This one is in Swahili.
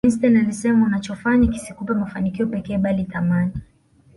Einstein alisema unachofanya kisikupe mafanikio pekee bali thamani